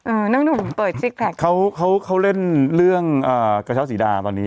น้องหนุ่มเปิดซิกแพคเขาเขาเล่นเรื่องอ่ากระเช้าสีดาตอนนี้